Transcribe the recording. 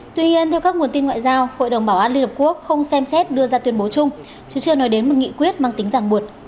tuy nhiên theo các nguồn tin ngoại giao hội đồng bảo an liên hợp quốc không xem xét đưa ra tuyên bố chung chứ chưa nói đến một nghị quyết mang tính giảng buộc